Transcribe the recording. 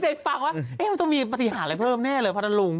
ติดปากว่าต้องมีปฏิหารอะไรเพิ่มแน่เลยพัทธรรม